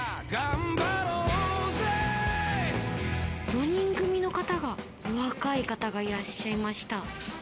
４人組の方が、お若い方がいらっしゃいました。